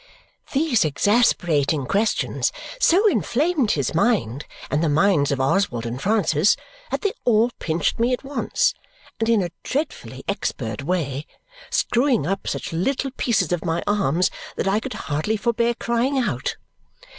These exasperating questions so inflamed his mind and the minds of Oswald and Francis that they all pinched me at once, and in a dreadfully expert way screwing up such little pieces of my arms that I could hardly forbear crying out.